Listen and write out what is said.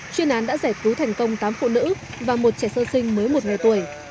chuyên án đã giải cứu thành công tám phụ nữ và một trẻ sơ sinh mới một ngày tuổi